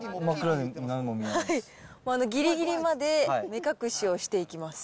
ぎりぎりまで目隠しをしていきます。